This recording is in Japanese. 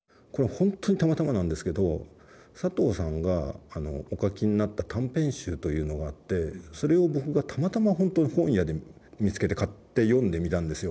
本当にたまたまなんですけど佐藤さんがお書きになった短編集というのがあってそれを僕がたまたま本当に本屋で見つけて買って読んでみたんですよ。